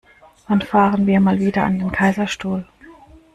Wann fahren wir mal wieder an den Kaiserstuhl?